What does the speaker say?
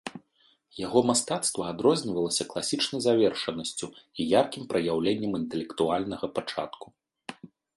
Яго мастацтва адрознівалася класічнай завершанасцю і яркім праяўленнем інтэлектуальнага пачатку.